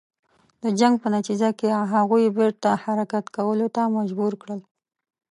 د جنګ په نتیجه کې هغوی بیرته حرکت کولو ته مجبور کړل.